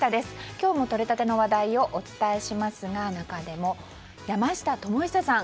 今日も取れたての話題をお伝えしますが中でも山下智久さん